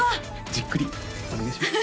じっくりお願いします